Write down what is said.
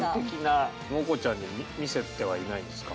モコちゃんに見せてはいないんですか？